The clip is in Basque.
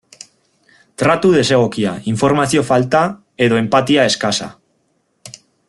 Tratu desegokia, informazio falta edo enpatia eskasa.